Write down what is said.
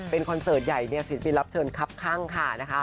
เป็นคอนเสิร์ตใหญ่ศิลปินรับเชิญคลับคังค่ะ